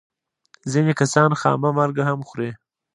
ځینې کسان خامه مالګه هم خوري.